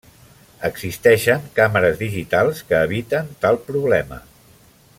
Existeixen càmeres digitals que eviten tal problema.